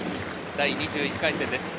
第２１回戦です。